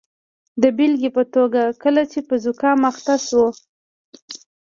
د بیلګې په توګه کله چې په زکام اخته اوسو.